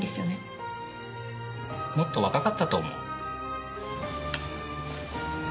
もっと若かったと思う。